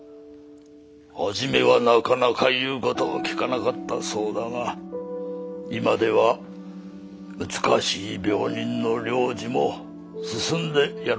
初めはなかなか言う事を聞かなかったそうだが今では難しい病人の療治も進んでやると聞いている。